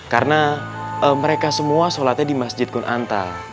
karena mereka semua sholatnya di masjid kunanta